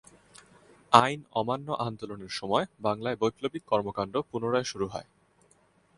আইন অমান্য আন্দোলনের সময় বাংলায় বৈপ্লবিক কর্মকান্ড পুনরায় শুরু হয়।